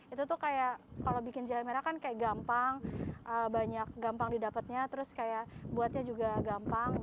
itu tuh kayak kalau bikin jahe merah kan kayak gampang banyak gampang didapatnya terus kayak buatnya juga gampang